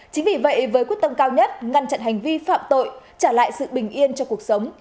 chính vì vậy với quyết tâm cao nhất ngăn chặn hành vi phạm tội trả lại sự bình yên cho cuộc sống